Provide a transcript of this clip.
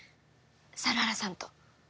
猿原さんと。